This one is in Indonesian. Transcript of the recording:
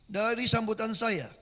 dari sambutan saya